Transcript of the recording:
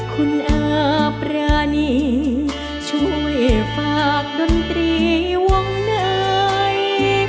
คุณอาปรานีช่วยฝากดนตรีวงใน